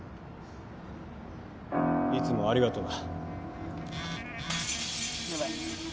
いつもありがとな。